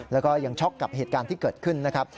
แล้วก็ยังช็อกกับเหตุการณ์ที่เกิดขึ้นนะครับ